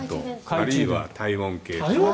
あるいは体温計。